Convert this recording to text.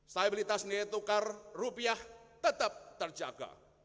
stabilitas nilai tukar rupiah tetap terjaga